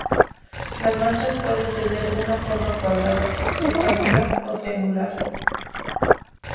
Las manchas pueden tener una forma cuadrada, rectangular o triangular.